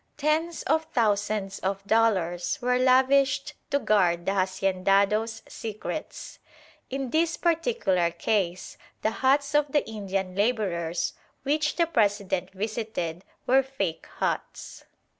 Tens of thousands of dollars were lavished to guard the haciendados' secrets. In this particular case the huts of the Indian labourers which the President visited were "fake" huts.